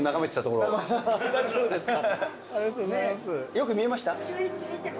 よく見えました？